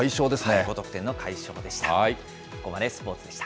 高得点の快勝でした。